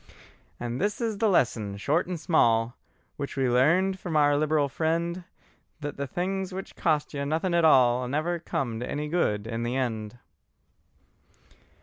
And this is the lesson short and small, Which we learned from our liberal friend, That the things which cost you nothing at all Never come to any good in the end.